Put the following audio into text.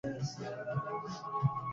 Es un endemismo de la República Dominicana.